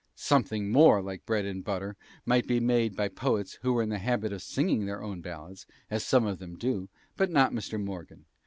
Something more like bread and butter might be made perhaps by poets who were in the habit of singing their own ballads, as some of them do, but not Mr. Morgan.